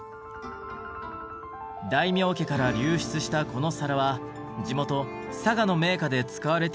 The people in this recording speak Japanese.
大名家から流出したこの皿は地元佐賀の名家で使われていたといいます。